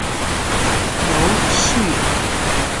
游戏